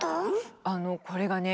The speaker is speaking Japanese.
あのこれがね